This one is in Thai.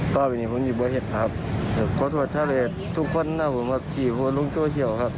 สิบว่าเห็นอีกแล้วครับ